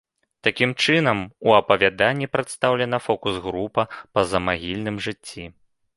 Такім чынам у апавяданні прадстаўлена фокус-група па замагільным жыцці.